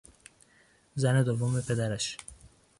زن دوم پدرش